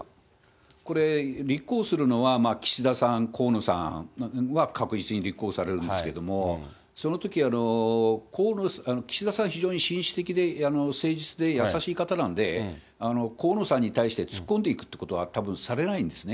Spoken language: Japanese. これ、立候補するのは岸田さん、河野さんは確実に立候補されるんですけれども、そのとき、岸田さんは非常に紳士的で誠実で優しい方なんで、河野さんに対して突っ込んでいくということは、たぶんされないんですね。